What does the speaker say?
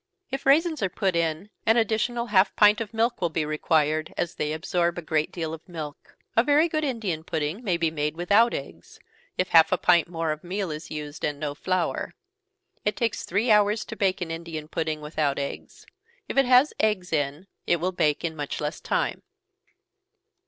If raisins are put in, an additional half pint of milk will be required, as they absorb a great deal of milk. A very good Indian pudding may be made without eggs, if half a pint more of meal is used, and no flour. It takes three hours to bake an Indian pudding without eggs if it has eggs in, it will bake in much less time.